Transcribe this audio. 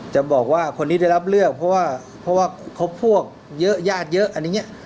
จะบอกว่าคนนี้ได้รับเลือกเพราะว่าเพราะว่าครบพวกเยอะญาติเยอะอะไรอย่างนี้